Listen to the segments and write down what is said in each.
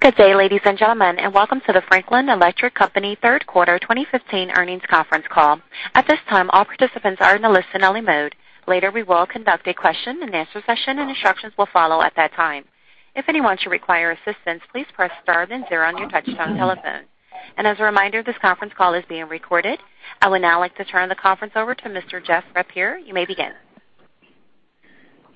Good day, ladies and gentlemen, and welcome to the Franklin Electric Company third quarter 2015 earnings conference call. At this time, all participants are in a listen-only mode. Later, we will conduct a question-and-answer session, and instructions will follow at that time. If anyone should require assistance, please press star then zero on your touch-tone telephone. And as a reminder, this conference call is being recorded. I would now like to turn the conference over to Mr. Jeff Taylor. You may begin.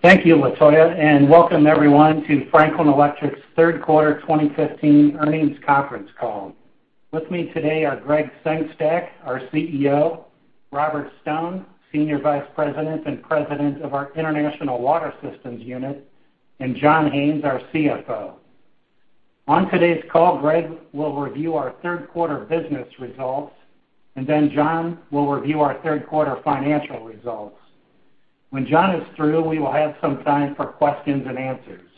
Thank you, Latoya, and welcome, everyone, to Franklin Electric's third quarter 2015 earnings conference call. With me today are Gregg Sengstack, our CEO; Robert J. Stone, Senior Vice President and President of our International Water Systems Unit; and John J. Haines, our CFO. On today's call, Gregg will review our third quarter business results, and then John will review our third quarter financial results. When John is through, we will have some time for questions and answers.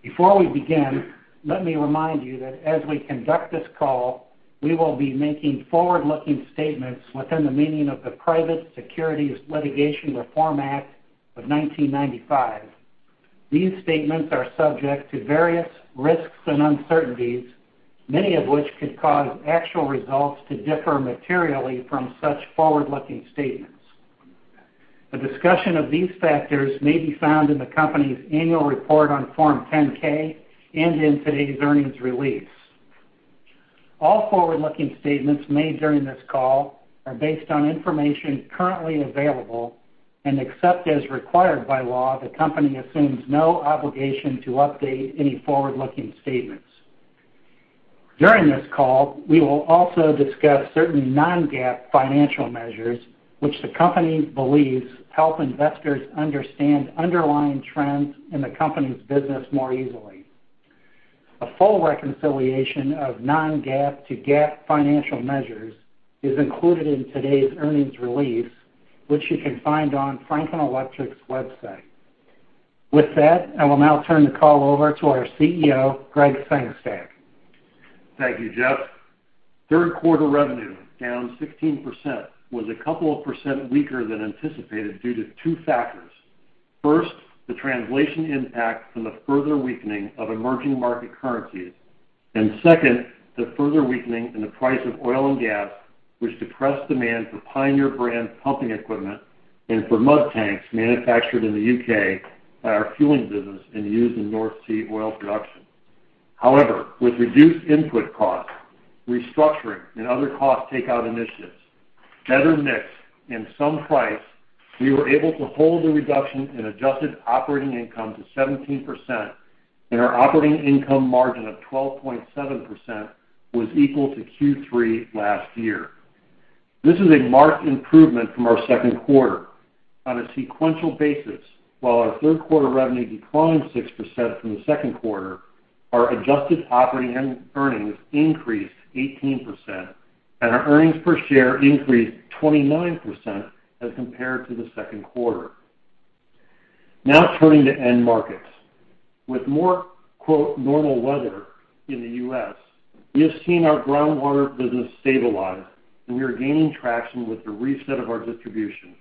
Before we begin, let me remind you that as we conduct this call, we will be making forward-looking statements within the meaning of the Private Securities Litigation Reform Act of 1995. These statements are subject to various risks and uncertainties, many of which could cause actual results to differ materially from such forward-looking statements. A discussion of these factors may be found in the company's annual report on Form 10-K and in today's earnings release. All forward-looking statements made during this call are based on information currently available, and except as required by law, the company assumes no obligation to update any forward-looking statements. During this call, we will also discuss certain non-GAAP financial measures, which the company believes help investors understand underlying trends in the company's business more easily. A full reconciliation of non-GAAP to GAAP financial measures is included in today's earnings release, which you can find on Franklin Electric's website. With that, I will now turn the call over to our CEO, Gregg Sengstack. Thank you, Jeff. Third quarter revenue, down 16%, was a couple of percent weaker than anticipated due to two factors: first, the translation impact from the further weakening of emerging market currencies, and second, the further weakening in the price of oil and gas, which depressed demand for Pioneer brand pumping equipment and for mud tanks manufactured in the U.K. by our fueling business and used in North Sea oil production. However, with reduced input costs, restructuring, and other cost takeout initiatives, better mix, and some price, we were able to hold the reduction in adjusted operating income to 17%, and our operating income margin of 12.7% was equal to Q3 last year. This is a marked improvement from our second quarter. On a sequential basis, while our third quarter revenue declined 6% from the second quarter, our adjusted operating earnings increased 18%, and our earnings per share increased 29% as compared to the second quarter. Now turning to end markets. With more "normal weather" in the U.S., we have seen our groundwater business stabilize, and we are gaining traction with the reset of our distribution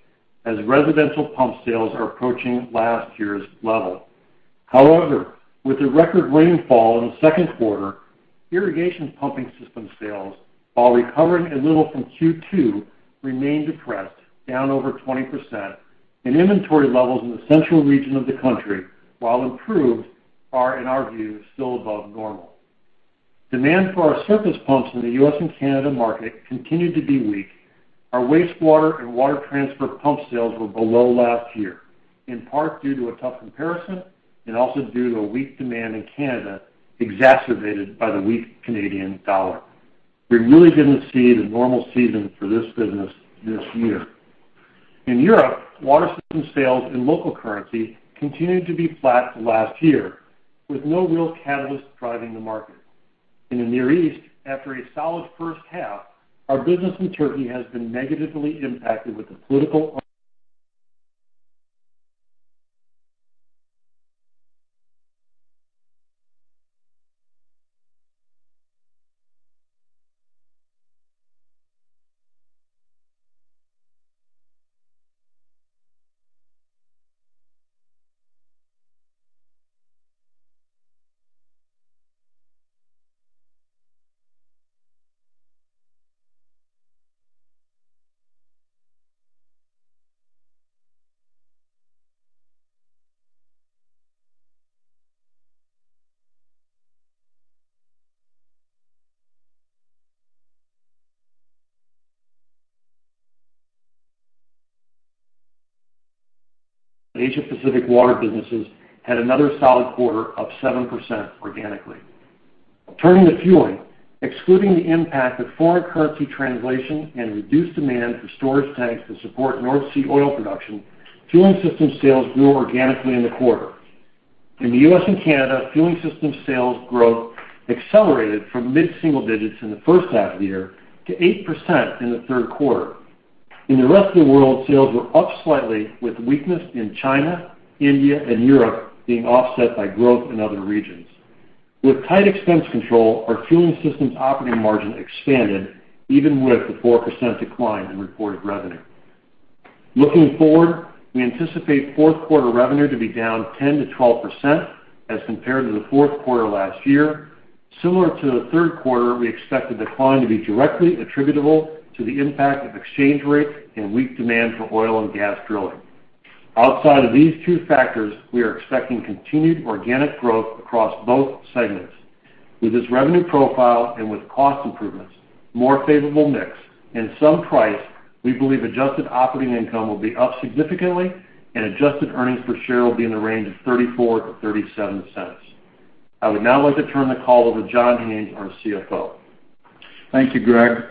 as residential pump sales are approaching last year's level. However, with the record rainfall in the second quarter, irrigation pumping system sales, while recovering a little from Q2, remain depressed, down over 20%, and inventory levels in the central region of the country, while improved, are, in our view, still above normal. Demand for our surface pumps in the U.S. and Canada market continued to be weak. Our wastewater and water transfer pump sales were below last year, in part due to a tough comparison and also due to a weak demand in Canada exacerbated by the weak Canadian dollar. We really didn't see the normal season for this business this year. In Europe, water system sales in local currency continued to be flat last year, with no real catalyst driving the market. In the Near East, after a solid first half, our business in Turkey has been negatively impacted with the political. Asia-Pacific water businesses had another solid quarter of 7% organically. Turning to fueling, excluding the impact of foreign currency translation and reduced demand for storage tanks to support North Sea oil production, Fueling Systems sales grew organically in the quarter. In the U.S. and Canada, Fueling Systems sales growth accelerated from mid-single digits in the first half of the year to 8% in the third quarter. In the rest of the world, sales were up slightly, with weakness in China, India, and Europe being offset by growth in other regions. With tight expense control, our Fueling Systems operating margin expanded, even with the 4% decline in reported revenue. Looking forward, we anticipate fourth quarter revenue to be down 10%-12% as compared to the fourth quarter last year. Similar to the third quarter, we expect the decline to be directly attributable to the impact of exchange rates and weak demand for oil and gas drilling. Outside of these two factors, we are expecting continued organic growth across both segments. With this revenue profile and with cost improvements, more favorable mix, and some price, we believe adjusted operating income will be up significantly, and adjusted earnings per share will be in the range of $0.34-$0.37. I would now like to turn the call over to John J. Haines, our CFO. Thank you, Gregg.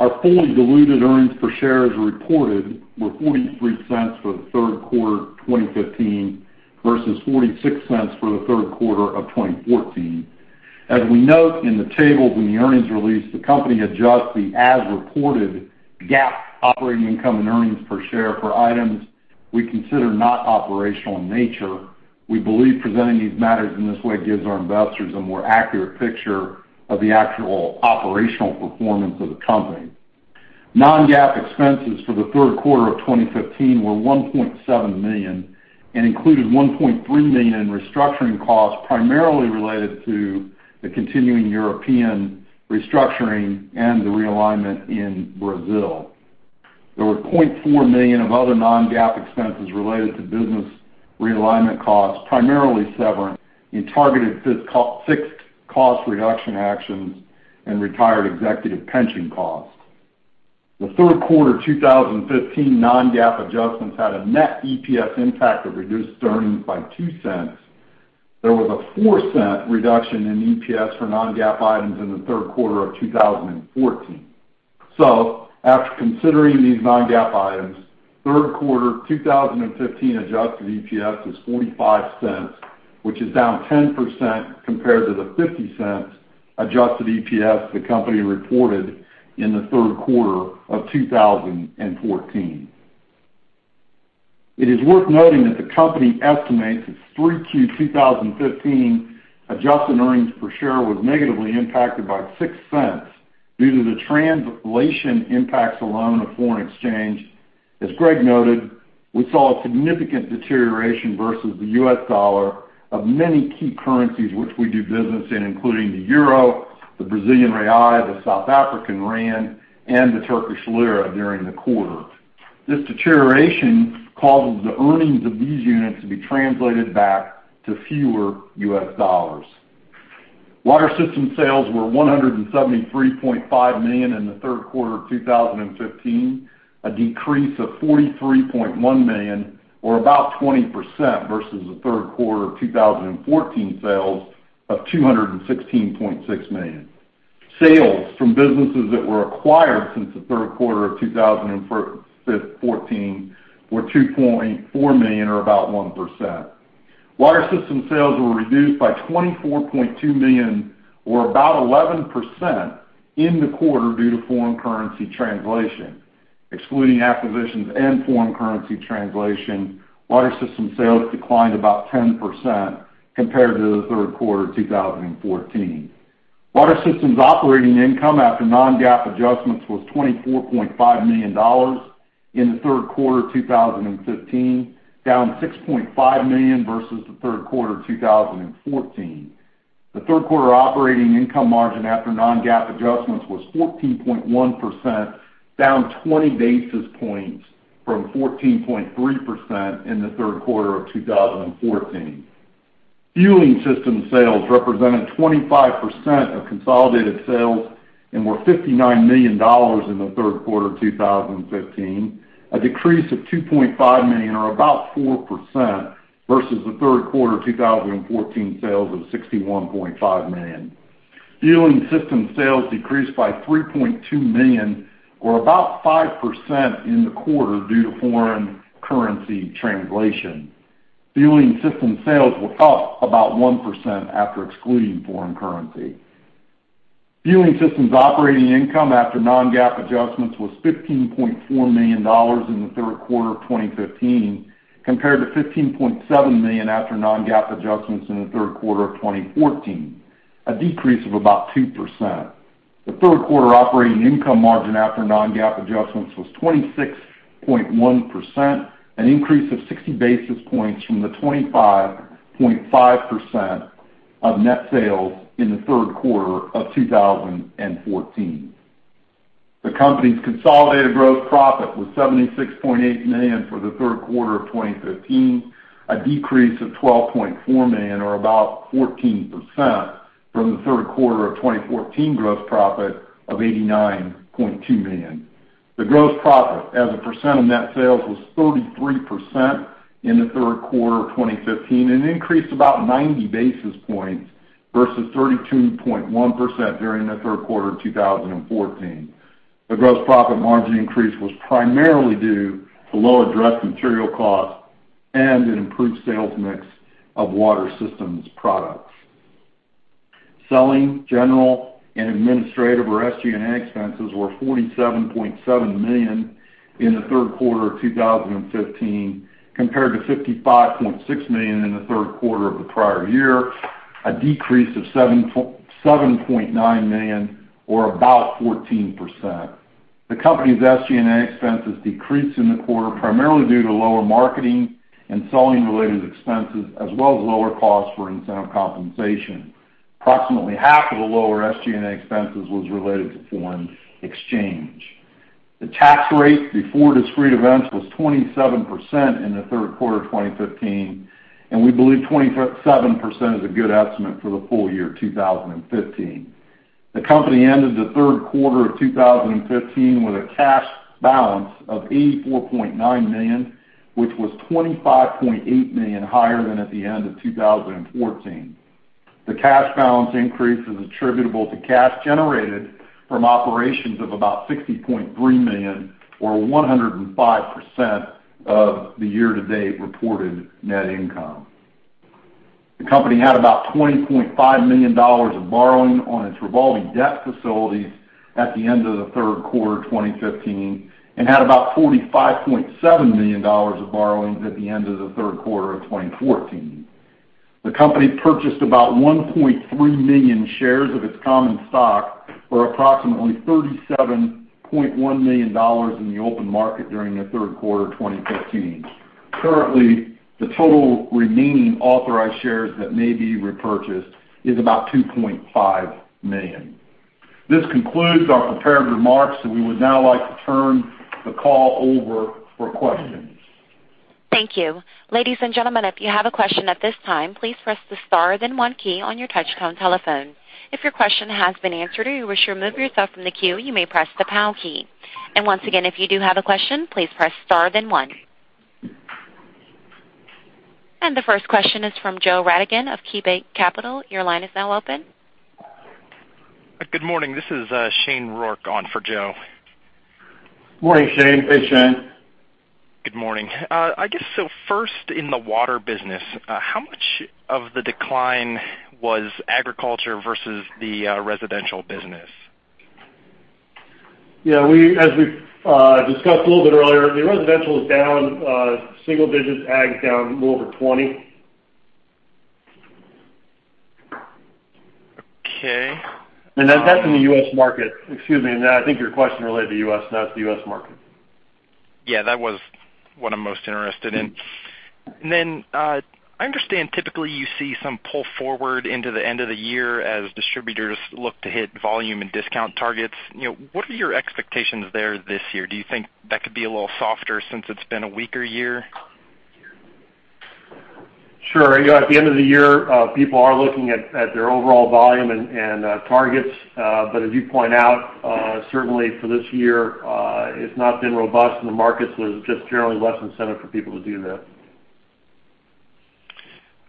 Our fully diluted earnings per share as reported were $0.43 for the third quarter 2015 versus $0.46 for the third quarter of 2014. As we note in the tables in the earnings release, the company adjusts the as-reported GAAP operating income and earnings per share for items we consider not operational in nature. We believe presenting these matters in this way gives our investors a more accurate picture of the actual operational performance of the company. Non-GAAP expenses for the third quarter of 2015 were $1.7 million and included $1.3 million in restructuring costs primarily related to the continuing European restructuring and the realignment in Brazil. There were $0.4 million of other non-GAAP expenses related to business realignment costs, primarily severance in targeted fixed cost reduction actions and retired executive pension costs. The third quarter 2015 non-GAAP adjustments had a net EPS impact of reduced earnings by $0.02. There was a $0.04 reduction in EPS for non-GAAP items in the third quarter of 2014. So, after considering these non-GAAP items, third quarter 2015 adjusted EPS is $0.45, which is down 10% compared to the $0.50 adjusted EPS the company reported in the third quarter of 2014. It is worth noting that the company estimates its 3Q 2015 adjusted earnings per share was negatively impacted by $0.06 due to the translation impacts alone of foreign exchange. As Gregg noted, we saw a significant deterioration versus the U.S. dollar of many key currencies which we do business in, including the euro, the Brazilian real, the South African rand, and the Turkish lira during the quarter. This deterioration causes the earnings of these units to be translated back to fewer U.S. dollars. Water Systems sales were $173.5 million in the third quarter of 2015, a decrease of $43.1 million or about 20% versus the third quarter of 2014 sales of $216.6 million. Sales from businesses that were acquired since the third quarter of 2014 were $2.4 million or about 1%. Water Systems sales were reduced by $24.2 million or about 11% in the quarter due to foreign currency translation. Excluding acquisitions and foreign currency translation, Water Systems sales declined about 10% compared to the third quarter of 2014. Water Systems operating income after non-GAAP adjustments was $24.5 million in the third quarter of 2015, down $6.5 million versus the third quarter of 2014. The third quarter operating income margin after non-GAAP adjustments was 14.1%, down 20 basis points from 14.3% in the third quarter of 2014. Fueling Systems sales represented 25% of consolidated sales and were $59 million in the third quarter of 2015, a decrease of $2.5 million or about 4% versus the third quarter of 2014 sales of $61.5 million. Fueling Systems sales decreased by $3.2 million or about 5% in the quarter due to foreign currency translation. Fueling Systems sales were up about 1% after excluding foreign currency. Fueling Systems operating income after non-GAAP adjustments was $15.4 million in the third quarter of 2015 compared to $15.7 million after non-GAAP adjustments in the third quarter of 2014, a decrease of about 2%. The third quarter operating income margin after non-GAAP adjustments was 26.1%, an increase of 60 basis points from the 25.5% of net sales in the third quarter of 2014. The company's consolidated gross profit was $76.8 million for the third quarter of 2015, a decrease of $12.4 million or about 14% from the third quarter of 2014 gross profit of $89.2 million. The gross profit, as a percent of net sales, was 33% in the third quarter of 2015 and increased about 90 basis points versus 32.1% during the third quarter of 2014. The gross profit margin increase was primarily due to lower direct material costs and an improved sales mix of water systems products. Selling, general, and administrative or SG&A expenses were $47.7 million in the third quarter of 2015 compared to $55.6 million in the third quarter of the prior year, a decrease of $7.9 million or about 14%. The company's SG&A expenses decreased in the quarter primarily due to lower marketing and selling-related expenses as well as lower costs for incentive compensation. Approximately half of the lower SG&A expenses was related to foreign exchange. The tax rate before discrete events was 27% in the third quarter of 2015, and we believe 27% is a good estimate for the full year 2015. The company ended the third quarter of 2015 with a cash balance of $84.9 million, which was $25.8 million higher than at the end of 2014. The cash balance increase is attributable to cash generated from operations of about $60.3 million or 105% of the year-to-date reported net income. The company had about $20.5 million of borrowing on its revolving debt facilities at the end of the third quarter of 2015 and had about $45.7 million of borrowings at the end of the third quarter of 2014. The company purchased about 1.3 million shares of its common stock for approximately $37.1 million in the open market during the third quarter of 2015. Currently, the total remaining authorized shares that may be repurchased is about 2.5 million. This concludes our prepared remarks, so we would now like to turn the call over for questions. Thank you. Ladies and gentlemen, if you have a question at this time, please press the star then one key on your touchscreen telephone. If your question has been answered or you wish to remove yourself from the queue, you may press the pound key. And once again, if you do have a question, please press star then one. And the first question is from Joe Radigan of KeyBanc Capital Markets. Your line is now open. Good morning. This is Shane Rourke on for Joe. Morning, Shane. Hey, Shane. Good morning. I guess so first in the water business, how much of the decline was agriculture versus the residential business? Yeah. As we discussed a little bit earlier, the residential is down. Single-digit ag is down a little over 20. Okay. That's in the U.S. market. Excuse me. I think your question related to the U.S., not to the U.S. market. Yeah. That was what I'm most interested in. And then I understand typically you see some pull forward into the end of the year as distributors look to hit volume and discount targets. What are your expectations there this year? Do you think that could be a little softer since it's been a weaker year? Sure. At the end of the year, people are looking at their overall volume and targets. But as you point out, certainly for this year, it's not been robust in the markets, so there's just generally less incentive for people to do that.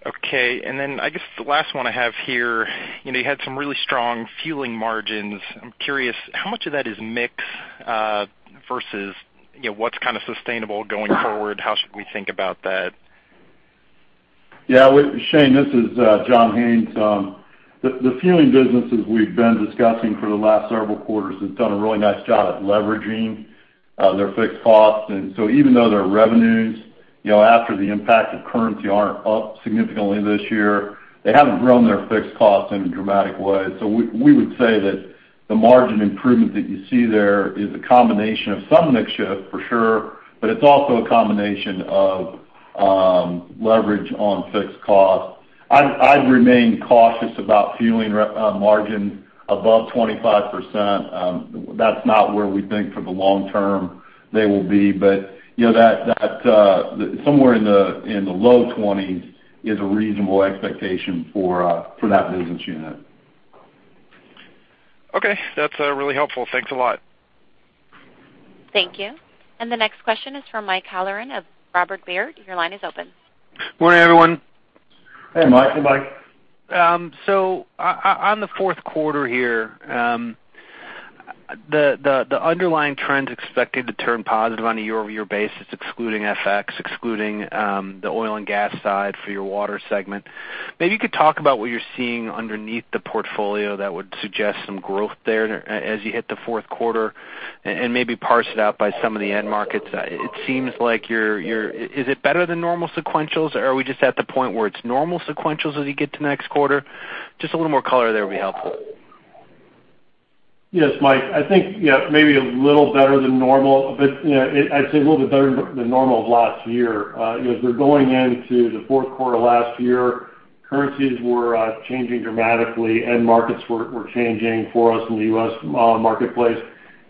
Okay. And then I guess the last one I have here, you had some really strong fueling margins. I'm curious, how much of that is mix versus what's kind of sustainable going forward? How should we think about that? Yeah. Shane, this is John J. Haines. The fueling businesses we've been discussing for the last several quarters have done a really nice job at leveraging their fixed costs. And so even though their revenues after the impact of currency aren't up significantly this year, they haven't grown their fixed costs in a dramatic way. So we would say that the margin improvement that you see there is a combination of some mix-shift for sure, but it's also a combination of leverage on fixed costs. I'd remain cautious about fueling margins above 25%. That's not where we think for the long term they will be. But somewhere in the low 20s is a reasonable expectation for that business unit. Okay. That's really helpful. Thanks a lot. Thank you. The next question is from Mike Halloran of Robert W. Baird. Your line is open. Morning, everyone. Hey, Mike. Hey, Mike. So, on the fourth quarter here, the underlying trend's expected to turn positive on a year-over-year basis, excluding FX, excluding the oil and gas side for your water segment. Maybe you could talk about what you're seeing underneath the portfolio that would suggest some growth there as you hit the fourth quarter and maybe parse it out by some of the end markets. It seems like, is it better than normal sequentials, or are we just at the point where it's normal sequentials as you get to next quarter? Just a little more color there would be helpful. Yes, Mike. I think maybe a little better than normal. I'd say a little bit better than normal of last year. As we're going into the fourth quarter of last year, currencies were changing dramatically, and markets were changing for us in the U.S. marketplace.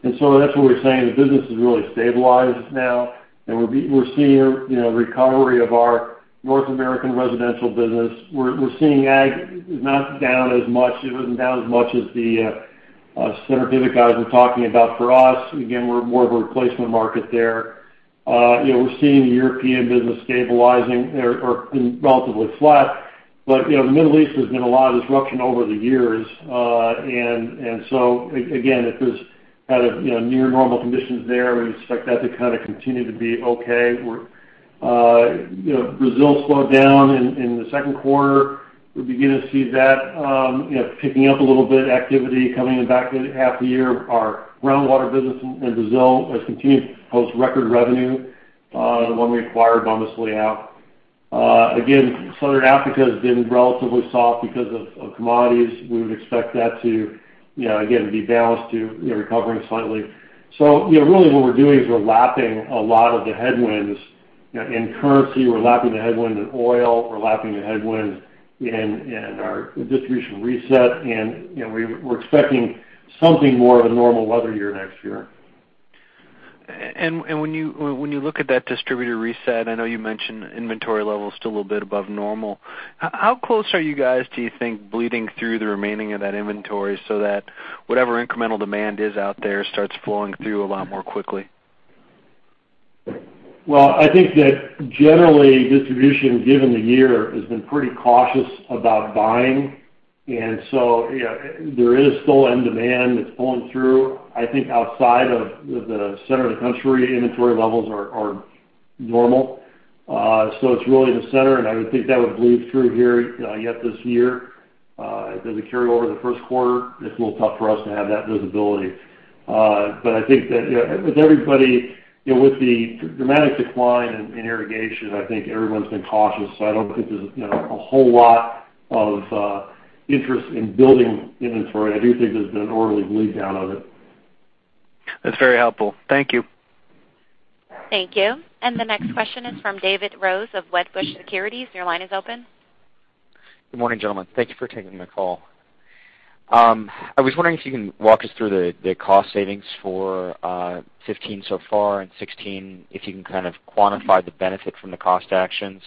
And so that's what we're saying. The business has really stabilized now, and we're seeing a recovery of our North American residential business. We're seeing ag is not down as much. It wasn't down as much as the center pivot guys were talking about for us. Again, we're more of a replacement market there. We're seeing the European business stabilizing or been relatively flat. But the Middle East has been a lot of disruption over the years. And so again, if there's kind of near-normal conditions there, we expect that to kind of continue to be okay. Brazil slowed down in the second quarter. We begin to see that picking up a little bit activity coming back to half the year. Our groundwater business in Brazil has continued to post record revenue, the one we acquired, Bombas Leão. Again, Southern Africa has been relatively soft because of commodities. We would expect that to, again, be balanced to recovering slightly. So really, what we're doing is we're lapping a lot of the headwinds. In currency, we're lapping the headwind in oil. We're lapping the headwind in our distribution reset. And we're expecting something more of a normal weather year next year. When you look at that distributor reset, I know you mentioned inventory level's still a little bit above normal. How close are you guys, do you think, bleeding through the remaining of that inventory so that whatever incremental demand is out there starts flowing through a lot more quickly? Well, I think that generally, distribution given the year has been pretty cautious about buying. And so there is still end demand that's pulling through. I think outside of the center of the country, inventory levels are normal. So it's really in the center, and I would think that would bleed through here yet this year. If there's a carryover in the first quarter, it's a little tough for us to have that visibility. But I think that with everybody with the dramatic decline in irrigation, I think everyone's been cautious. So I don't think there's a whole lot of interest in building inventory. I do think there's been an orderly bleed down of it. That's very helpful. Thank you. Thank you. The next question is from David Rose of Wedbush Securities. Your line is open. Good morning, gentlemen. Thank you for taking my call. I was wondering if you can walk us through the cost savings for 2015 so far and 2016, if you can kind of quantify the benefit from the cost actions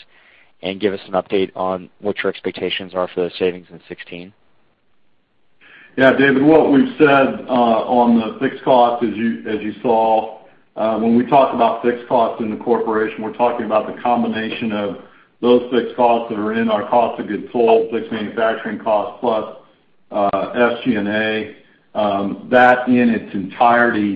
and give us an update on what your expectations are for the savings in 2016. Yeah, David. What we've said on the fixed costs, as you saw, when we talk about fixed costs in the corporation, we're talking about the combination of those fixed costs that are in our cost of goods sold, fixed manufacturing costs plus SG&A. That in its entirety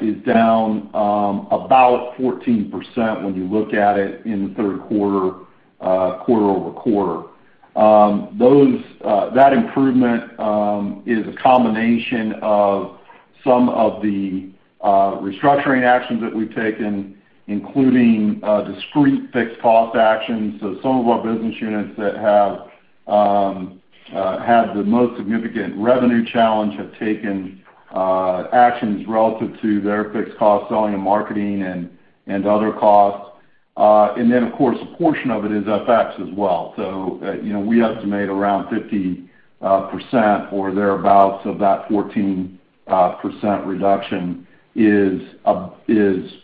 is down about 14% when you look at it in the third quarter, quarter-over-quarter. That improvement is a combination of some of the restructuring actions that we've taken, including discrete fixed cost actions. So some of our business units that have had the most significant revenue challenge have taken actions relative to their fixed costs, selling and marketing, and other costs. And then, of course, a portion of it is FX as well. So we estimate around 50% or thereabouts of that 14% reduction is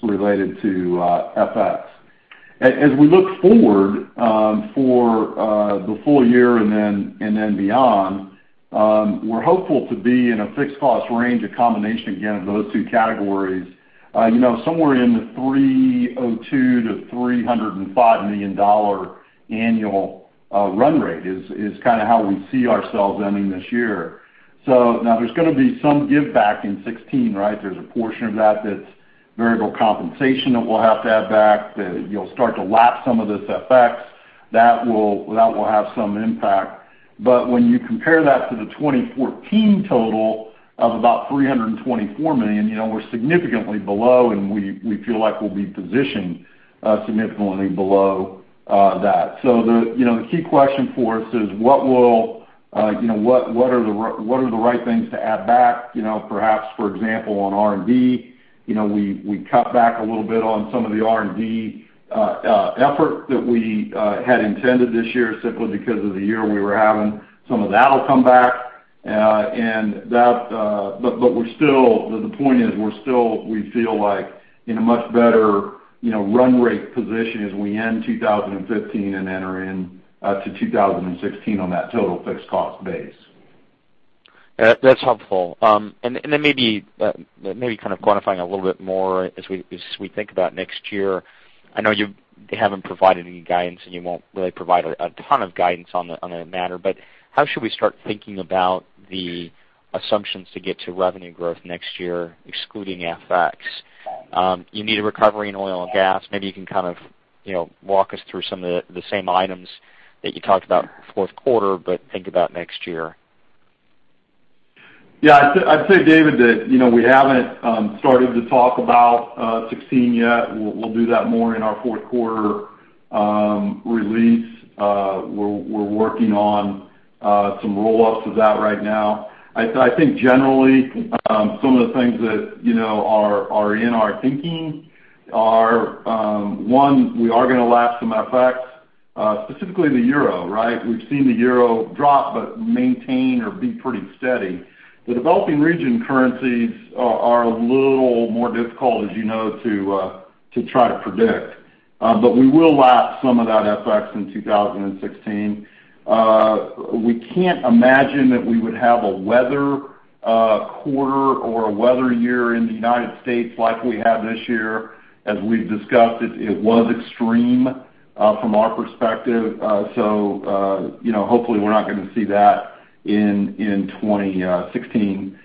related to FX. As we look forward for the full year and then beyond, we're hopeful to be in a fixed cost range a combination, again, of those two categories. Somewhere in the $302 million-$305 million annual run rate is kind of how we see ourselves ending this year. So now there's going to be some give-back in 2016, right? There's a portion of that that's variable compensation that we'll have to add back. You'll start to lap some of this FX. That will have some impact. But when you compare that to the 2014 total of about $324 million, we're significantly below, and we feel like we'll be positioned significantly below that. So the key question for us is what will what are the right things to add back? Perhaps, for example, on R&D, we cut back a little bit on some of the R&D effort that we had intended this year simply because of the year we were having. Some of that'll come back. But the point is we feel like in a much better run-rate position as we end 2015 and enter into 2016 on that total fixed cost base. That's helpful. And then maybe kind of quantifying a little bit more as we think about next year, I know you haven't provided any guidance, and you won't really provide a ton of guidance on that matter. But how should we start thinking about the assumptions to get to revenue growth next year, excluding FX? You need a recovery in oil and gas. Maybe you can kind of walk us through some of the same items that you talked about fourth quarter but think about next year. Yeah. I'd say, David, that we haven't started to talk about 2016 yet. We'll do that more in our fourth quarter release. We're working on some roll-ups of that right now. I think generally, some of the things that are in our thinking are, one, we are going to lap some FX, specifically the euro, right? We've seen the euro drop but maintain or be pretty steady. The developing region currencies are a little more difficult, as you know, to try to predict. But we will lap some of that FX in 2016. We can't imagine that we would have a weather quarter or a weather year in the United States like we had this year. As we've discussed, it was extreme from our perspective. So hopefully, we're not going to see that in 2016.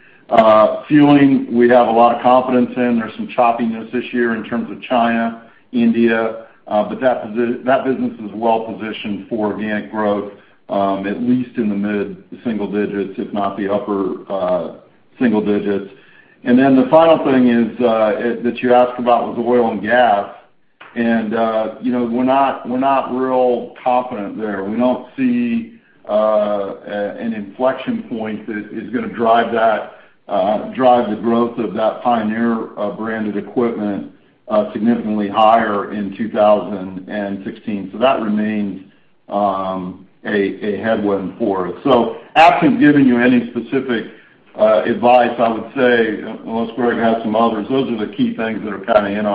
Fueling, we have a lot of confidence in. There's some choppiness this year in terms of China, India. But that business is well-positioned for organic growth, at least in the mid-single digits, if not the upper single digits. And then the final thing that you asked about was oil and gas. And we're not real confident there. We don't see an inflection point that is going to drive the growth of that Pioneer branded equipment significantly higher in 2016. So that remains a headwind for us. So absent giving you any specific advice, I would say, unless Gregg has some others, those are the key things that are kind of in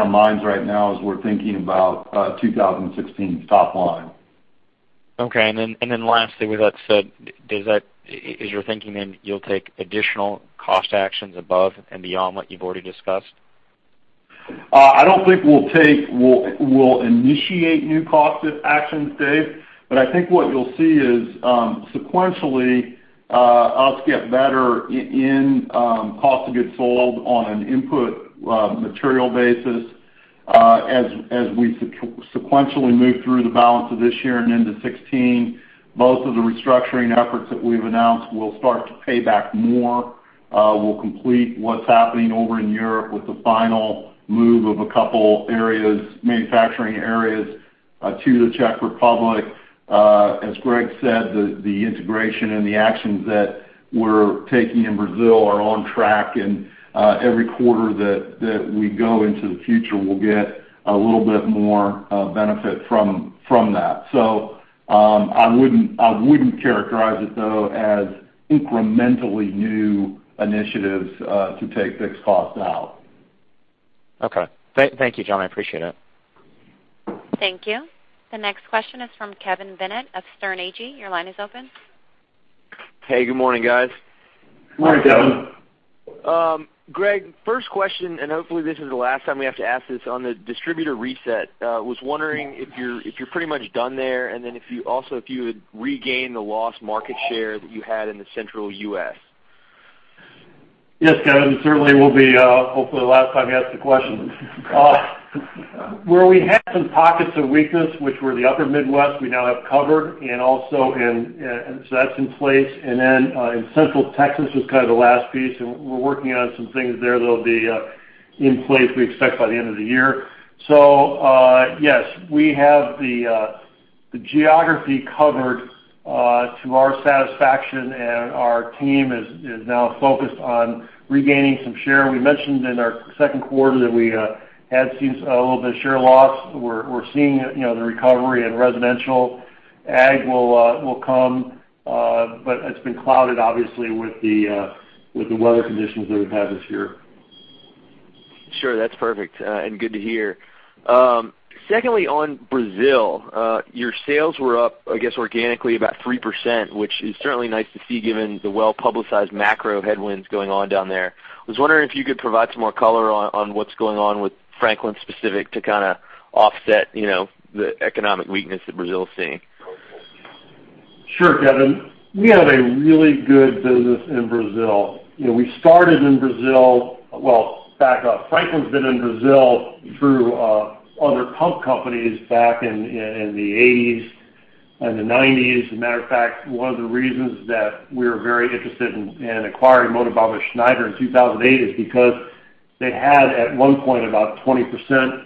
our minds right now as we're thinking about 2016's top line. Okay. Lastly, with that said, is your thinking then you'll take additional cost actions above and beyond what you've already discussed? I don't think we'll initiate new cost actions, Dave. But I think what you'll see is sequentially, us get better in cost of goods sold on an input material basis as we sequentially move through the balance of this year and into 2016. Both of the restructuring efforts that we've announced will start to pay back more. We'll complete what's happening over in Europe with the final move of a couple manufacturing areas to the Czech Republic. As Gregg said, the integration and the actions that we're taking in Brazil are on track. And every quarter that we go into the future, we'll get a little bit more benefit from that. So I wouldn't characterize it, though, as incrementally new initiatives to take fixed costs out. Okay. Thank you, John. I appreciate it. Thank you. The next question is from Kevin Bennett of Sterne Agee. Your line is open. Hey. Good morning, guys. Morning, Kevin. Gregg, first question, and hopefully, this is the last time we have to ask this on the distributor reset. Was wondering if you're pretty much done there and then also if you had regained the lost market share that you had in the central U.S. Yes, Kevin. It certainly will be hopefully the last time you ask the question. Where we had some pockets of weakness, which were the Upper Midwest, we now have covered. So that's in place. Then in Central Texas was kind of the last piece. And we're working on some things there that'll be in place we expect by the end of the year. So yes, we have the geography covered to our satisfaction, and our team is now focused on regaining some share. We mentioned in our second quarter that we had seen a little bit of share loss. We're seeing the recovery in residential. Ag will come. But it's been clouded, obviously, with the weather conditions that we've had this year. Sure. That's perfect and good to hear. Secondly, on Brazil, your sales were up, I guess, organically about 3%, which is certainly nice to see given the well-publicized macro headwinds going on down there. I was wondering if you could provide some more color on what's going on with Franklin specific to kind of offset the economic weakness that Brazil's seeing. Sure, Kevin. We had a really good business in Brazil. We started in Brazil well, back up. Franklin's been in Brazil through other pump companies back in the 1980s and the 1990s. As a matter of fact, one of the reasons that we were very interested in acquiring Motobomba Schneider in 2008 is because they had at one point about 20%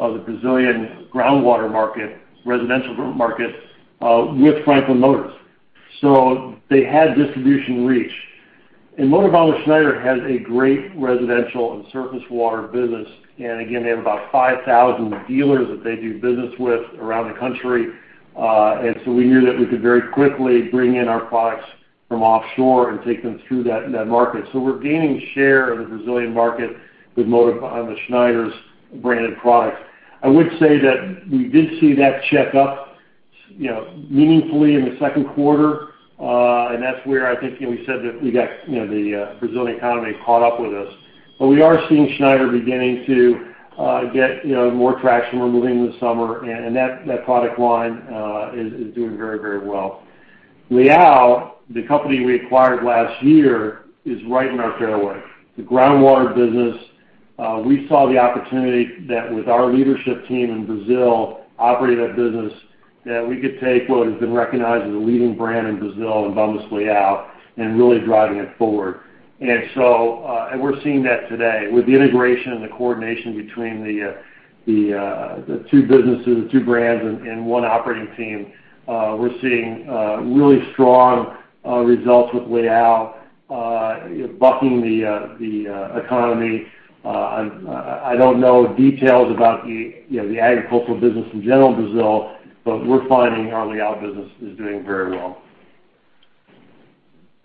of the Brazilian groundwater market, residential market, with Franklin Motors. So they had distribution reach. And Motobomba Schneider has a great residential and surface water business. And again, they have about 5,000 dealers that they do business with around the country. And so we knew that we could very quickly bring in our products from offshore and take them through that market. So we're gaining share in the Brazilian market with Motobomba Schneider's branded products. I would say that we did see that catch up meaningfully in the second quarter. And that's where I think we said that we got the Brazilian economy caught up with us. But we are seeing Schneider beginning to get more traction. We're moving into the summer, and that product line is doing very, very well. Leão, the company we acquired last year, is right in our tailwind. The groundwater business, we saw the opportunity that with our leadership team in Brazil operating that business, that we could take what has been recognized as a leading brand in Brazil and Bombas Leão and really driving it forward. And we're seeing that today. With the integration and the coordination between the two businesses, the two brands, and one operating team, we're seeing really strong results with Leão bucking the economy. I don't know details about the agricultural business in general in Brazil, but we're finding our Leão business is doing very well.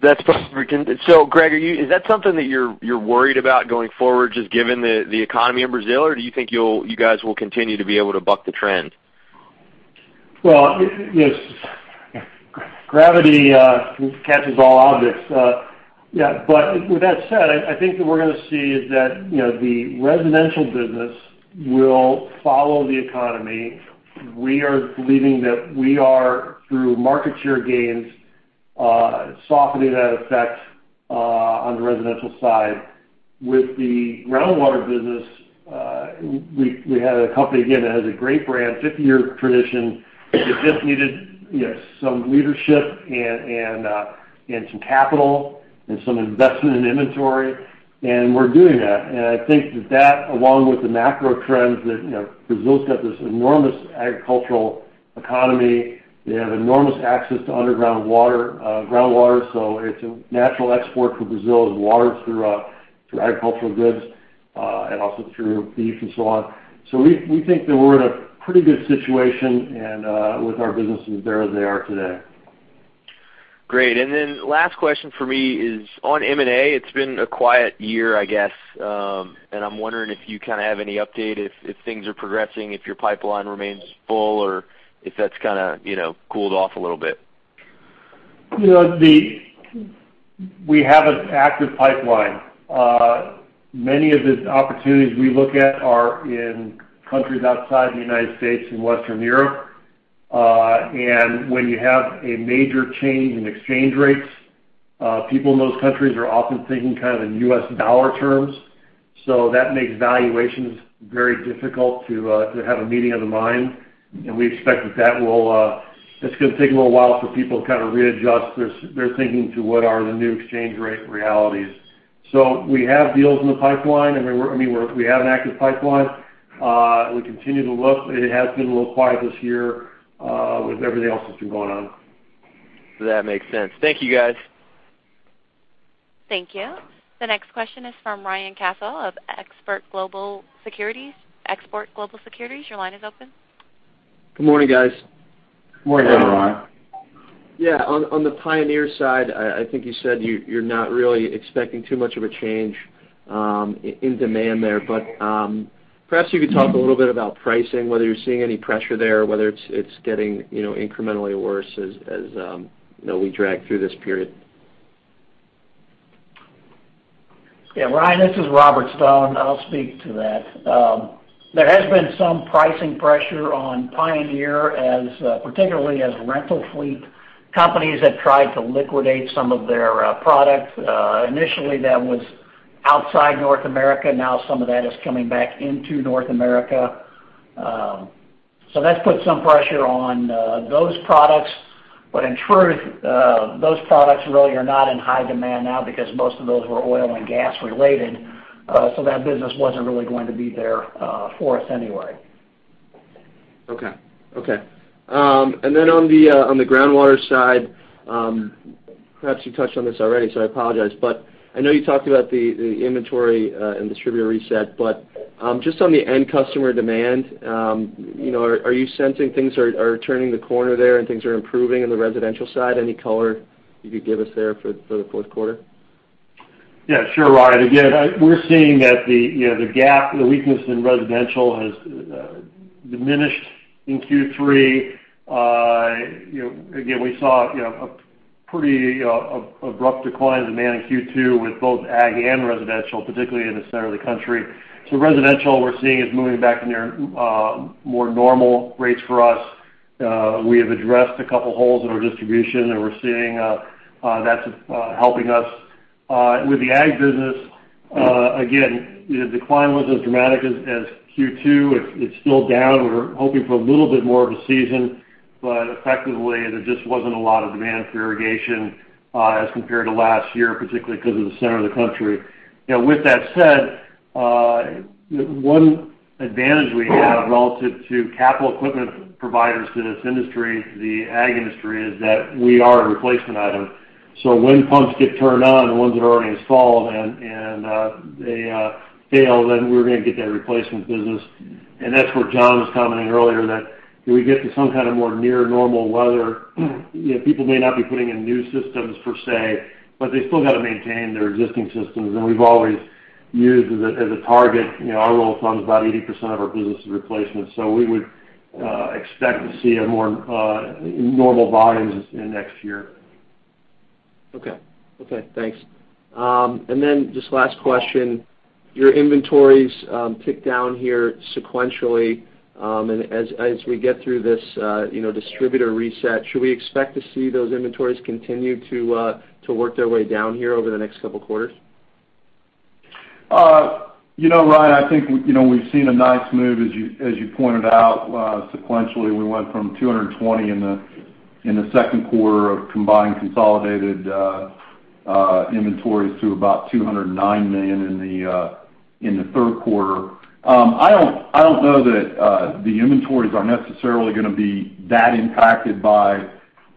That's perfect. So Gregg, is that something that you're worried about going forward just given the economy in Brazil, or do you think you guys will continue to be able to buck the trend? Well, yes. Gravity catches all objects. Yeah. But with that said, I think that we're going to see is that the residential business will follow the economy. We are believing that we are, through market share gains, softening that effect on the residential side. With the groundwater business, we have a company, again, that has a great brand, 50-year tradition. It just needed some leadership and some capital and some investment in inventory. And we're doing that. And I think that that, along with the macro trends that Brazil's got this enormous agricultural economy, they have enormous access to groundwater. So it's a natural export for Brazil's water through agricultural goods and also through beef and so on. So we think that we're in a pretty good situation with our businesses there as they are today. Great. And then last question for me is on M&A. It's been a quiet year, I guess. And I'm wondering if you kind of have any update if things are progressing, if your pipeline remains full, or if that's kind of cooled off a little bit. We have an active pipeline. Many of the opportunities we look at are in countries outside the United States and Western Europe. And when you have a major change in exchange rates, people in those countries are often thinking kind of in U.S. dollar terms. So that makes valuations very difficult to have a meeting of the mind. And we expect that that will—it's going to take a little while for people to kind of readjust their thinking to what are the new exchange rate realities. So we have deals in the pipeline. I mean, we have an active pipeline. We continue to look. It has been a little quiet this year with everything else that's been going on. That makes sense. Thank you, guys. Thank you. The next question is from Ryan Cassil of Seaport Global Securities. Your line is open. Good morning, guys. Morning, Ryan. Yeah. On the Pioneer side, I think you said you're not really expecting too much of a change in demand there. Perhaps you could talk a little bit about pricing, whether you're seeing any pressure there, whether it's getting incrementally worse as we drag through this period? Yeah. Ryan, this is Robert Stone. I'll speak to that. There has been some pricing pressure on Pioneer, particularly as rental fleet companies have tried to liquidate some of their products. Initially, that was outside North America. Now, some of that is coming back into North America. So that's put some pressure on those products. But in truth, those products really are not in high demand now because most of those were oil and gas related. So that business wasn't really going to be there for us anyway. Okay. Okay. And then on the groundwater side, perhaps you touched on this already, so I apologize. But just on the end customer demand, are you sensing things are turning the corner there and things are improving in the residential side? Any color you could give us there for the fourth quarter? Yeah. Sure, Ryan. Again, we're seeing that the gap, the weakness in residential has diminished in Q3. Again, we saw a pretty abrupt decline in demand in Q2 with both ag and residential, particularly in the center of the country. So residential, we're seeing is moving back near more normal rates for us. We have addressed a couple holes in our distribution, and we're seeing that's helping us. With the ag business, again, the decline wasn't as dramatic as Q2. It's still down. We're hoping for a little bit more of a season. But effectively, there just wasn't a lot of demand for irrigation as compared to last year, particularly because of the center of the country. With that said, one advantage we have relative to capital equipment providers to this industry, the ag industry, is that we are a replacement item. So when pumps get turned on, the ones that are already installed, and they fail, then we're going to get that replacement business. And that's where John was commenting earlier, that if we get to some kind of more near-normal weather, people may not be putting in new systems, per se, but they still got to maintain their existing systems. And we've always used as a target our rule of thumb is about 80% of our business is replacement. So we would expect to see more normal volumes in next year. Okay. Okay. Thanks. And then just last question. Your inventories tick down here sequentially. And as we get through this distributor reset, should we expect to see those inventories continue to work their way down here over the next couple quarters? Ryan, I think we've seen a nice move, as you pointed out. Sequentially, we went from $220 million in the second quarter of combined consolidated inventories to about $209 million in the third quarter. I don't know that the inventories are necessarily going to be that impacted by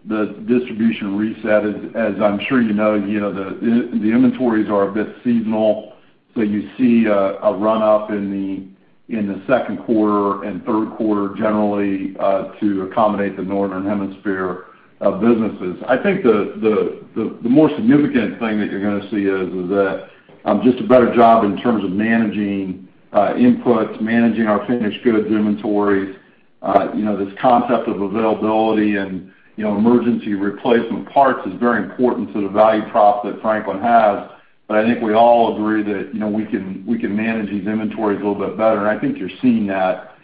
the distribution reset. As I'm sure you know, the inventories are a bit seasonal. So you see a run-up in the second quarter and third quarter, generally, to accommodate the northern hemisphere of businesses. I think the more significant thing that you're going to see is that just a better job in terms of managing inputs, managing our finished goods inventories. This concept of availability and emergency replacement parts is very important to the value prop that Franklin has. But I think we all agree that we can manage these inventories a little bit better. I think you're seeing that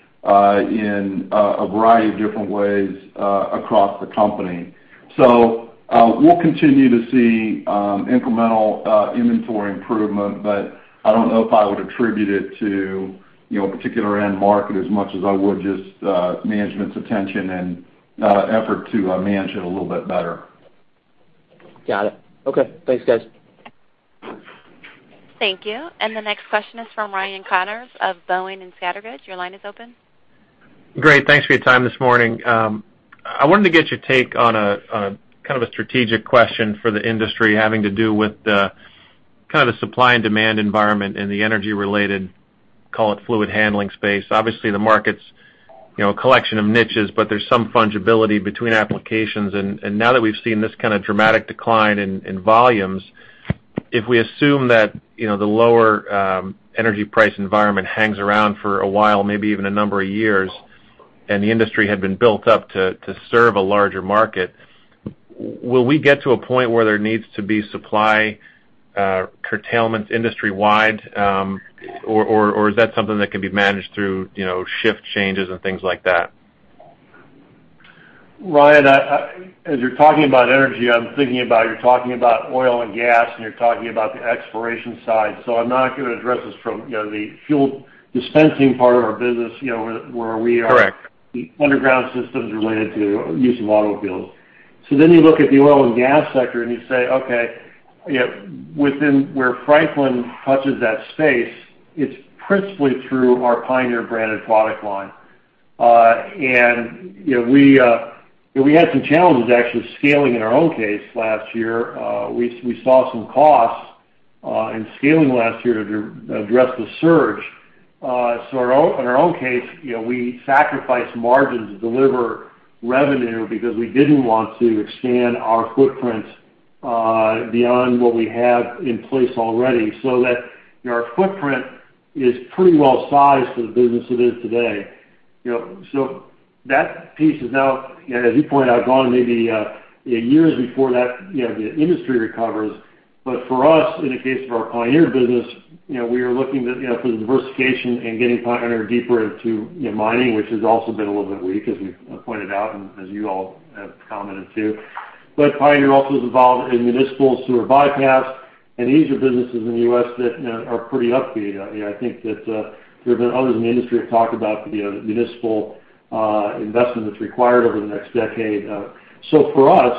in a variety of different ways across the company. We'll continue to see incremental inventory improvement. I don't know if I would attribute it to a particular end market as much as I would just management's attention and effort to manage it a little bit better. Got it. Okay. Thanks, guys. Thank you. And the next question is from Ryan Connors of Boenning & Scattergood. Your line is open. Great. Thanks for your time this morning. I wanted to get your take on kind of a strategic question for the industry having to do with kind of the supply and demand environment in the energy-related, call it, fluid handling space. Obviously, the market's a collection of niches, but there's some fungibility between applications. And now that we've seen this kind of dramatic decline in volumes, if we assume that the lower energy price environment hangs around for a while, maybe even a number of years, and the industry had been built up to serve a larger market, will we get to a point where there needs to be supply curtailments industry-wide, or is that something that can be managed through shift changes and things like that? Ryan, as you're talking about energy, I'm thinking about you're talking about oil and gas, and you're talking about the exploration side. So I'm not going to address this from the fuel dispensing part of our business where we are the underground systems related to use of automobiles. So then you look at the oil and gas sector, and you say, "Okay." Where Franklin touches that space, it's principally through our Pioneer branded product line. And we had some challenges, actually, scaling in our own case last year. We saw some costs in scaling last year to address the surge. So in our own case, we sacrificed margins to deliver revenue because we didn't want to expand our footprint beyond what we have in place already so that our footprint is pretty well-sized for the business it is today. So that piece is now, as you point out, gone maybe years before the industry recovers. But for us, in the case of our Pioneer business, we are looking for the diversification and getting Pioneer deeper into mining, which has also been a little bit weak, as we pointed out and as you all have commented too. But Pioneer also is involved in municipals through a bypass. And these are businesses in the U.S. that are pretty upbeat. I think that there have been others in the industry who have talked about the municipal investment that's required over the next decade. So for us,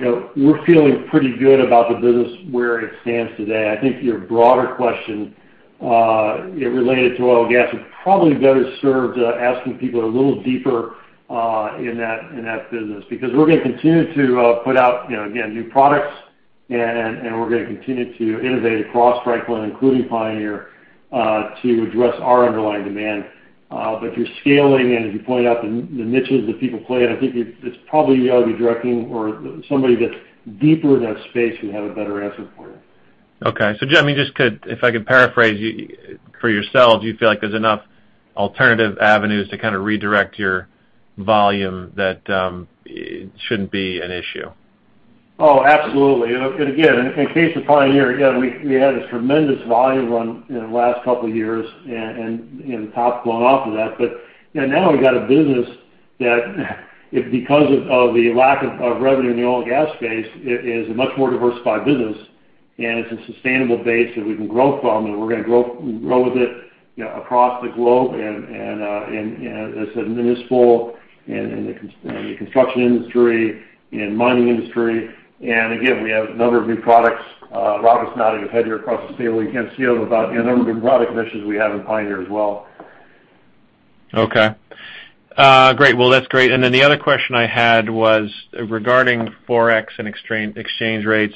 we're feeling pretty good about the business where it stands today. I think your broader question related to oil and gas would probably better serve to asking people a little deeper in that business because we're going to continue to put out, again, new products, and we're going to continue to innovate across Franklin, including Pioneer, to address our underlying demand. But your scaling, and as you point out, the niches that people play in, I think it's probably you ought to be directing or somebody that's deeper in that space would have a better answer for you. Okay. So Jeffrey, I mean, just if I could paraphrase for yourselves, do you feel like there's enough alternative avenues to kind of redirect your volume that it shouldn't be an issue? Oh, absolutely. And again, in the case of Pioneer, again, we had a tremendous volume run in the last couple of years and the top blown off of that. But now we got a business that, because of the lack of revenue in the oil and gas space, is a much more diversified business. And it's a sustainable base that we can grow from, and we're going to grow with it across the globe and as a municipal in the construction industry and mining industry. And again, we have a number of new products. Robert's not even here across the table. You can't see him, but a number of new product initiatives we have in Pioneer as well. Okay. Great. Well, that's great. And then the other question I had was regarding forex and exchange rates.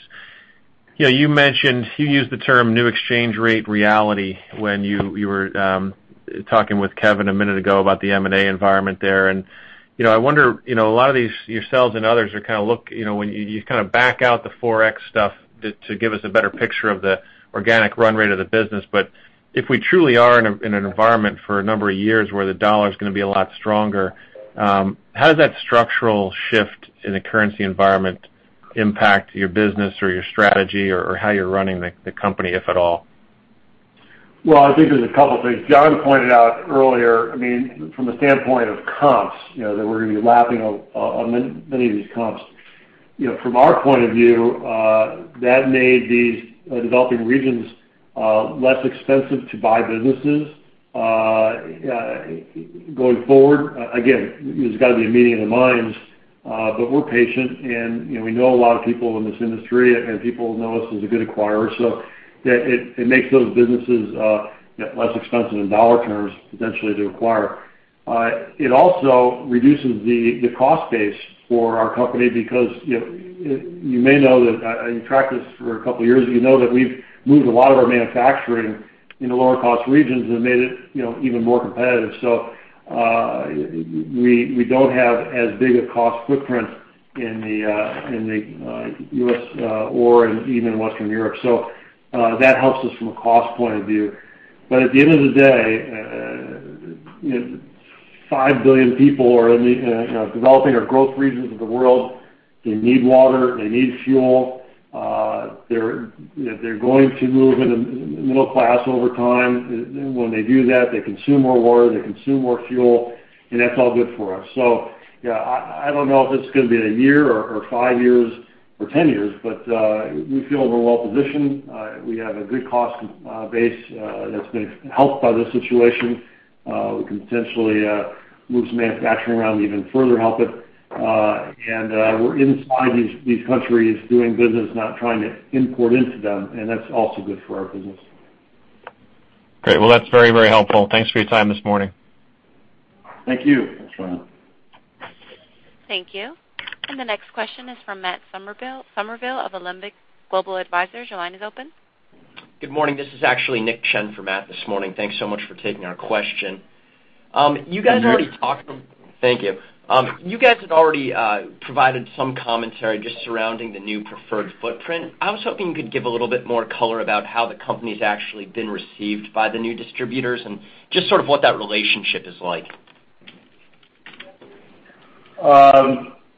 You used the term new exchange rate reality when you were talking with Kevin a minute ago about the M&A environment there. And I wonder, a lot of these, yourselves and others, are kind of look when you kind of back out the forex stuff to give us a better picture of the organic run rate of the business. But if we truly are in an environment for a number of years where the dollar's going to be a lot stronger, how does that structural shift in the currency environment impact your business or your strategy or how you're running the company, if at all? Well, I think there's a couple of things. John pointed out earlier, I mean, from the standpoint of comps, that we're going to be lapping on many of these comps. From our point of view, that made these developing regions less expensive to buy businesses going forward. Again, there's got to be a meeting of the minds. But we're patient, and we know a lot of people in this industry, and people know us as a good acquirer. So it makes those businesses less expensive in dollar terms, potentially, to acquire. It also reduces the cost base for our company because you may know that and you tracked this for a couple of years. You know that we've moved a lot of our manufacturing in the lower-cost regions and made it even more competitive. So we don't have as big a cost footprint in the U.S. or even in Western Europe. So that helps us from a cost point of view. But at the end of the day, 5 billion people are in the developing or growth regions of the world. They need water. They need fuel. They're going to move into the middle class over time. And when they do that, they consume more water. They consume more fuel. And that's all good for us. So yeah, I don't know if it's going to be a year or 5 years or 10 years, but we feel we're well-positioned. We have a good cost base that's been helped by this situation. We can potentially move some manufacturing around to even further help it. And we're inside these countries doing business, not trying to import into them. And that's also good for our business. Great. Well, that's very, very helpful. Thanks for your time this morning. Thank you. Thank you. And the next question is from Matt Somerville of Alembic Global Advisors. Your line is open. Good morning. This is actually Nick Chen from Matt this morning. Thanks so much for taking our question. You guys had already provided some commentary just surrounding the new Preferred footprint. I was hoping you could give a little bit more color about how the company's actually been received by the new distributors and just sort of what that relationship is like.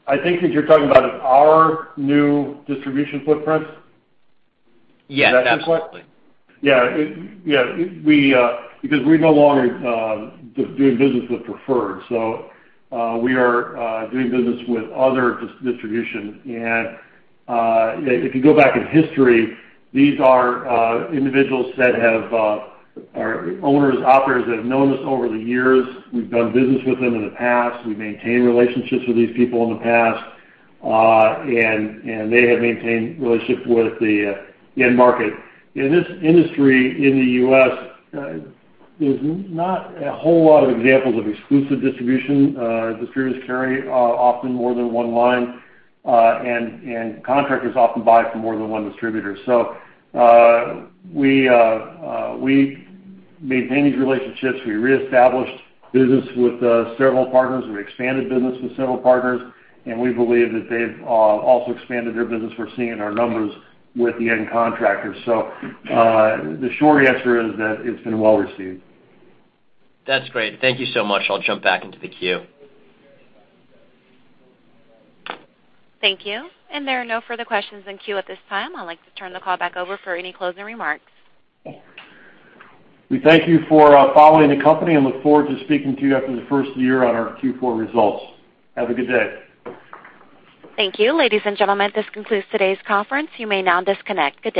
I think that you're talking about our new distribution footprint? Yes. Yeah. Because we're no longer doing business with Preferred. So we are doing business with other distributors. And if you go back in history, these are individuals that have our owners, operators that have known us over the years. We've done business with them in the past. We maintained relationships with these people in the past. And they have maintained relationships with the end market. In this industry in the U.S., there's not a whole lot of examples of exclusive distribution. Distributors carry often more than one line, and contractors often buy from more than one distributor. So we maintain these relationships. We reestablished business with several partners. We expanded business with several partners. And we believe that they've also expanded their business. We're seeing it in our numbers with the end contractors. So the short answer is that it's been well-received. That's great. Thank you so much. I'll jump back into the queue. Thank you. There are no further questions in queue at this time. I'd like to turn the call back over for any closing remarks. We thank you for following the company and look forward to speaking to you after the first of the year on our Q4 results. Have a good day. Thank you. Ladies and gentlemen, this concludes today's conference. You may now disconnect. Good day.